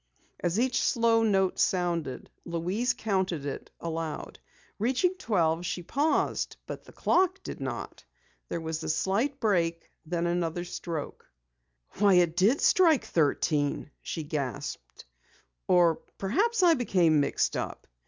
As each slow note sounded, Louise counted it aloud. Reaching twelve, she paused, but the clock did not. There was a slight break, then another stroke. "Why, it did strike thirteen!" she gasped. "Or perhaps I became mixed up!"